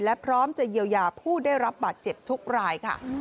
และพร้อมจะเยียวยาผู้ได้รับบาดเจ็บทุกรายค่ะ